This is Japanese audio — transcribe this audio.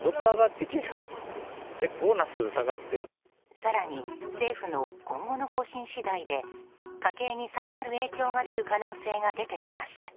更に、政府の今後の方針次第で家計に更なる影響が出る可能性が出てきました。